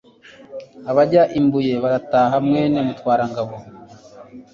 Abajya i Mbuye baratahaMwene Mutwarangabo